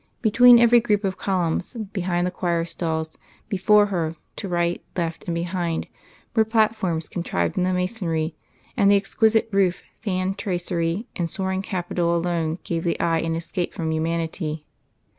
Between every group of columns behind the choir stalls, before her, to right, left, and behind, were platforms contrived in the masonry; and the exquisite roof, fan tracery and soaring capital, alone gave the eye an escape from humanity.